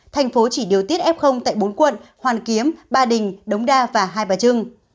thành phố chỉ điều tiết f tại bốn quận hoàn kiếm ba đình đống đa và hai bà trưng